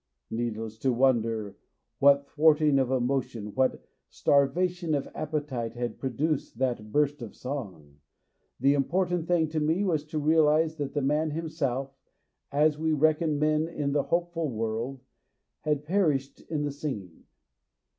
Needless to wonder what thwarting of emotion, what starvation of appetite, had produced that burst of song ; the important thing to me was to realize that the man himself, as we reckon men in the hopeful world, had perished in the sing ing.